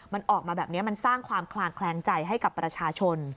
มันออกมาแบบนี้มันสร้างความคลางแคลงใจให้กับประชาชน